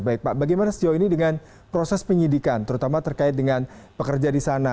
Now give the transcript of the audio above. baik pak bagaimana sejauh ini dengan proses penyidikan terutama terkait dengan pekerja di sana